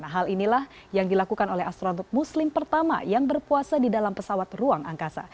hal inilah yang dilakukan oleh astronot muslim pertama yang berpuasa di dalam pesawat ruang angkasa